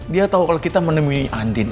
dia tahu kalau kita menemui andin